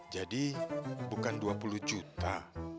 jadi bukan dua puluh juta